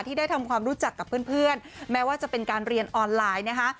ได้ทำความรู้จักกับเพื่อนแม้ว่าจะเป็นการเรียนออนไลน์นะคะ